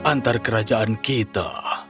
antar kerajaan kita